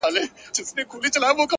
د تلؤ پر وخت به د هغې سيمي